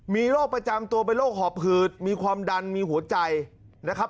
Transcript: มีโรคประจำตัวเป็นโรคหอบหืดมีความดันมีหัวใจนะครับ